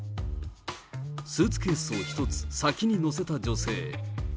スーツケースを１つ、先に乗せた女性。